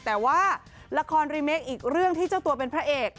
แต่ว่าละครรีเมคอีกเรื่องที่เจ้าตัวเป็นพระเอก